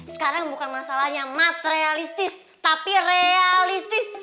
sekarang bukan masalahnya materialistis tapi realistis